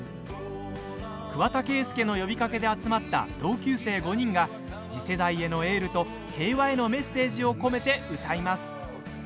桑田佳祐の呼びかけで集まった同級生５人が次世代へのエールと平和へのメッセージを込めて歌います。